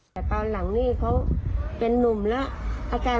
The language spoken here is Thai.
มันทรมานมันปวดไง